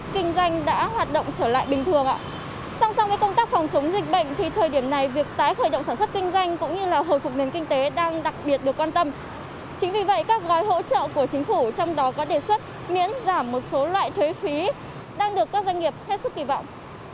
kinh doanh cũng như hồi phục nền kinh tế đang đặc biệt được quan tâm chính vì vậy các gói hỗ trợ của chính phủ trong đó có đề xuất miễn giảm một số loại thuế phí đang được các doanh nghiệp hết sức kỳ vọng